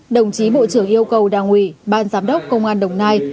đồng chí bộ trưởng yêu cầu đảng ủy ban giám đốc công an đồng nai